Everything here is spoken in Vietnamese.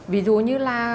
ví dụ như là